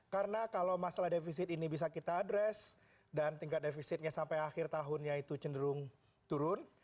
karena kalau masalah defisit ini bisa kita adres dan tingkat defisitnya sampai akhir tahunnya itu cenderung turun